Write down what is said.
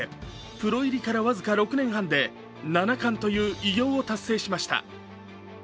プロ入りから僅か６年半で七冠という偉業を達成しました。